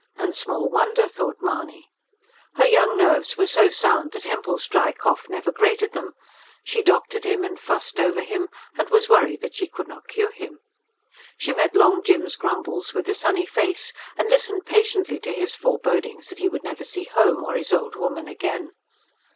And small wonder, thought Mahony. Her young nerves were so sound that Hempel's dry cough never grated them: she doctored him and fussed over him, and was worried that she could not cure him. She met Long Jim's grumbles with a sunny face, and listened patiently to his forebodings that he would never see "home" or his old woman again.